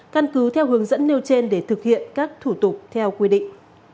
căn cứ theo hướng dẫn nêu trên để thực hiện các thủ tục theo quy định